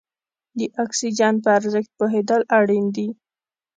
د اکسیجن په ارزښت پوهېدل اړین دي.